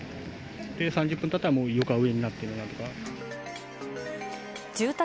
３０分たったら、もう床上になってた。